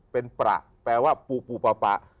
เป็นประแปลว่าปูปูปะปะ